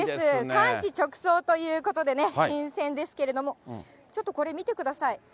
産地直送ということでね、新鮮ですけれども、ちょっとこれ、見てください。